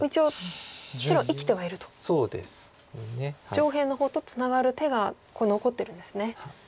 上辺の方とツナがる手が残ってるんですね。